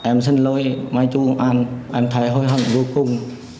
em xin lỗi mai chú công an em thấy hối hận vô cùng